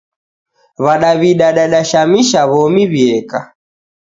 W'adaw'ida dadashamisha w'omi w'ieka.